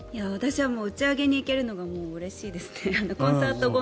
私は打ち上げに行けるのがうれしいですね。